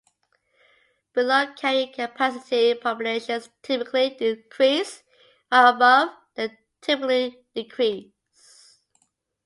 Below carrying capacity, populations typically increase, while above, they typically decrease.